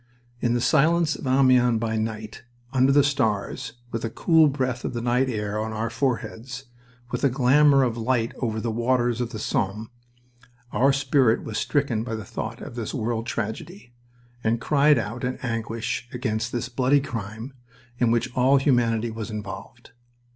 In the silence of Amiens by night, under the stars, with a cool breath of the night air on our foreheads, with a glamour of light over the waters of the Somme, our spirit was stricken by the thought of this world tragedy, and cried out in anguish against this bloody crime in which all humanity was involved.